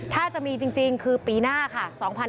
ถ้าจะมีจริงคือปีหน้าค่ะ